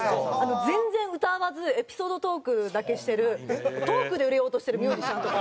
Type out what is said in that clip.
全然歌わずエピソードトークだけしてるトークで売れようとしてるミュージシャンとか。